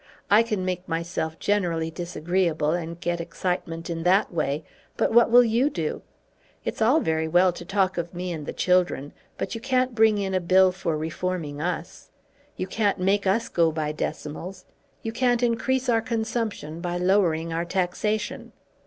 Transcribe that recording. I can make myself generally disagreeable, and get excitement in that way. But what will you do? It's all very well to talk of me and the children, but you can't bring in a Bill for reforming us. You can't make us go by decimals. You can't increase our consumption by lowering our taxation.